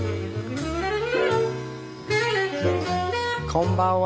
こんばんは。